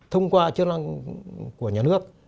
thông qua chương lăng của nhà nước